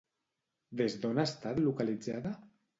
Des d'on ha estat localitzada?